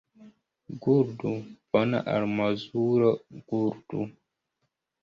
Gurdu, bona almozulo, gurdu!